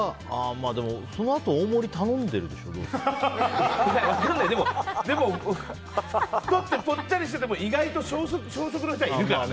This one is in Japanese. でも、そのあとでも、太ってぽっちゃりしてても意外と小食の人はいるからね。